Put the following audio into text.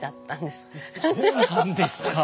そうなんですか。